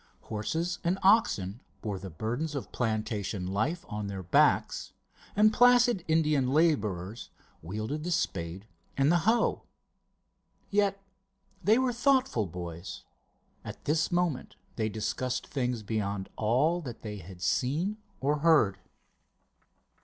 Horses and oxen bore the burdens of plantation life on their backs, and placid Indian labourers wielded the spade and the hoe. Yet they were thoughtful boys. At this moment they discussed things beyond all that they had seen or heard.